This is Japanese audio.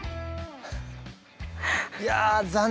いや残念！